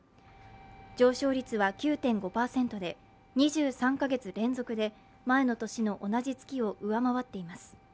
上昇率は９．５％で２３か月連続で前の年の同じ月を上回っています。